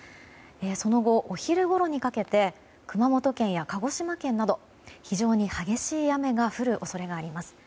その後、お昼ごろにかけて熊本県や鹿児島県など非常に激しい雨が降る恐れがあります。